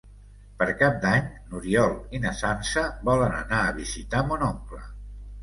Per Cap d'Any n'Oriol i na Sança volen anar a visitar mon oncle.